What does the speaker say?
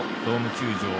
球場